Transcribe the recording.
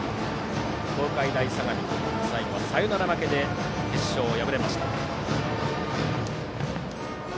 東海大相模に最後はサヨナラ負けで決勝で敗れました。